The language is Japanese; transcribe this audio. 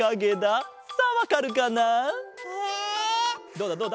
どうだどうだ？